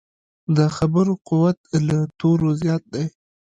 د خبرو قوت له تورو زیات دی.